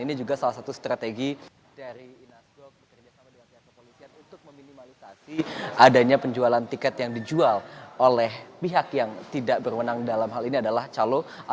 ini juga salah satu strategi dari inasgok bekerja sama dengan pihak kepolisian untuk meminimalisasi adanya penjualan tiket yang dijual oleh pihak yang tidak berwenang dalam hal ini adalah calon